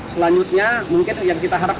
selanjutnya mungkin yang kita harapkan